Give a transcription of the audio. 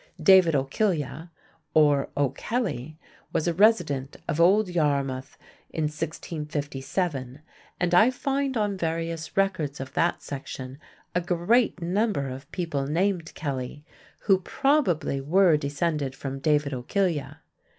David O'Killia (or O'Kelly) was a resident of Old Yarmouth in 1657, and I find on various records of that section a great number of people named Kelley, who probably were descended from David O'Killia.